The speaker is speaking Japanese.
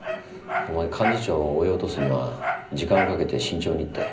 お前幹事長を追い落とすには時間をかけて慎重にって。